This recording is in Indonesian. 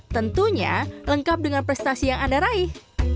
tentunya lengkap dengan prestasi yang anda raih